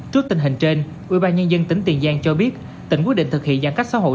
trước tình hình trên ubnd tỉnh tiền giang cho biết tỉnh quyết định thực hiện giãn cách xã hội